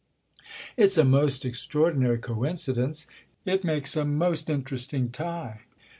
" It's a most extraordinary coincidence it makes a most interesting tie.